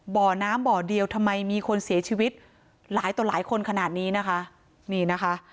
บ่อน้ำบ่อเดียวทำไมมีคนเสียชีวิตหลายต่อหลายคนขนาดนี้นะคะนี่นะคะ